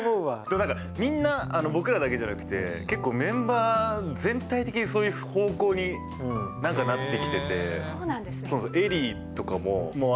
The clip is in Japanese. だからみんな、僕らだけじゃなくて、結構、メンバー全体的にそういう方向になんかなってきてて。